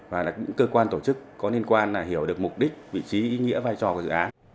và những cơ quan tổ chức có liên quan hiểu được mục đích vị trí ý nghĩa vai trò của dự án